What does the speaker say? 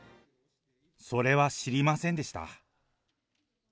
それは知りませんでした。